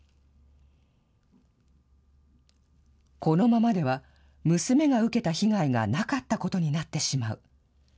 このままでは娘が受けた被害がなかったことになってしまう。